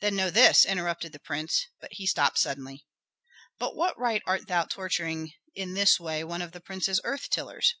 "Then know this," interrupted the prince; but he stopped suddenly. "By what right art thou torturing in this way one of the prince's earth tillers?"